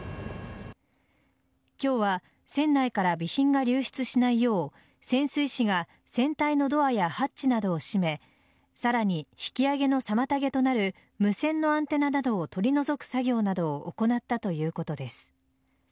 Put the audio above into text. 今日は船内から備品が流出しないよう潜水士が船体のドアやハッチなどを閉めさらに引き揚げの妨げとなる無線のアンテナなどを取り除く作業などを行ったということです。